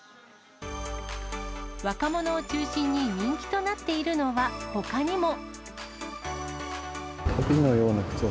若者を中心に人気となっているのは、ほかにも。